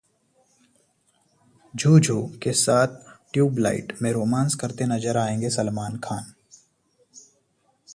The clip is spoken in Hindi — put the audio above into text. Zhu Zhu के साथ 'ट्यूबलाइट' में रोमांस करते नजर आएंगे सलमान खान